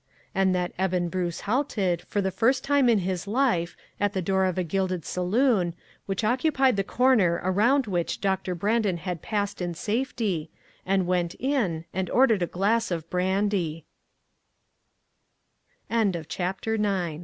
And that Eben Bruce halted, for the first time in his life, at the door of a gilded saloon, which occupied the corner around which Doctor Brandon had passed in safety, and went in and ordered a glass o